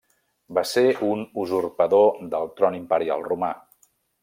Va ser un usurpador del tron imperial romà.